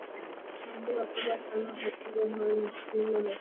Maadui wakubwa sana kwa twiga hawa ni simba na fisi japo maadui hawa huwa